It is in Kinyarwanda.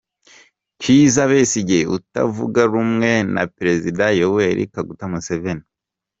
Kizza Besigye utavuga rumwe na Perezida Yoweli Kaguta Museveni.